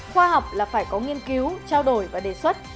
khoa học là phải có nghiên cứu trao đổi và đề xuất